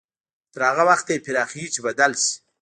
تر هغه وخته يې پراخوي چې بدل شي.